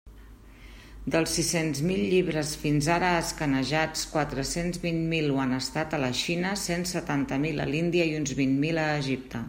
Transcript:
Dels sis-cents mil llibres fins ara escanejats, quatre-cents vint mil ho han estat a la Xina, cent setanta mil a l'Índia i uns vint mil a Egipte.